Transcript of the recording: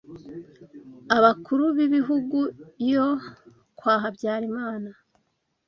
abakuru b’ibihugu yo kwa “Habyarimana”,